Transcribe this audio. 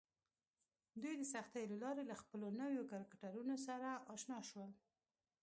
دوی د سختیو له لارې له خپلو نویو کرکټرونو سره اشنا شول